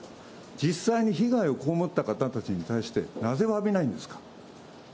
実際に被害を被った方たちに対して、なぜわびないんですか？